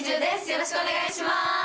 よろしくお願いします。